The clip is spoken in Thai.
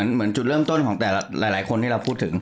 เหมือนจุดเริ่มต้นของแต่หลายคนที่เราพูดถึง